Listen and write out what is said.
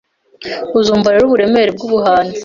Uzumva rero uburemere bwubuhanzi